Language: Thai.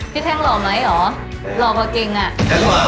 พี่แท้งหล่อไหมอ๋อ